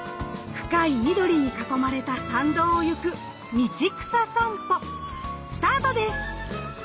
深い緑に囲まれた参道をゆく道草さんぽスタートです。